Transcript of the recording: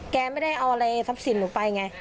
แกไม่ได้เอาอะไรทรัพย์สินหนูไปไง